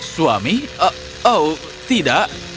suami oh tidak